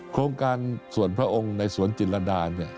โครงการส่วนพระองค์ในสวนจิลดา